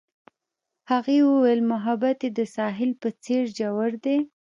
هغې وویل محبت یې د ساحل په څېر ژور دی.